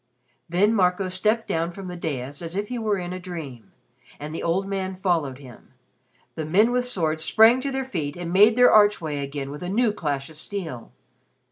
Then Marco stepped down from the dais as if he were in a dream, and the old man followed him. The men with swords sprang to their feet and made their archway again with a new clash of steel.